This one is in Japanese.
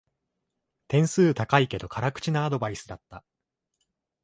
点数高いけど辛口なアドバイスだった